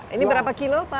ini berapa kilo pak